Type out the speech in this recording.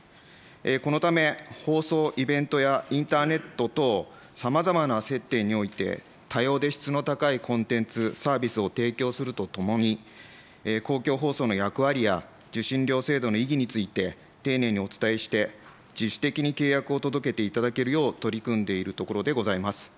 このため放送、イベントやインターネット等さまざまな接点において、多様で質の高いコンテンツ、サービスを提供するとともに、公共放送の役割や、受信料制度の意義について、丁寧にお伝えして、自主的に契約を届けていただけるよう取り組んでいるところでございます。